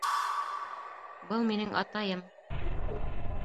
Был минең атайым